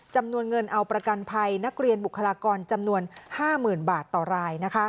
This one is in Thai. จำนวนเงินเอาประกันภัยนักเรียนบุคลากรจำนวน๕๐๐๐บาทต่อราย